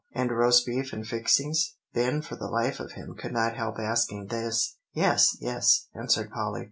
"And roast beef and fixings?" Ben for the life of him could not help asking this. "Yes yes," answered Polly.